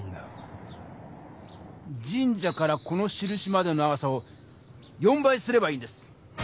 神社からこのしるしまでの長さを４倍すればいいんです。